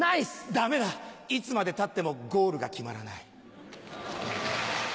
ダメだいつまでたってもゴールが決まらない。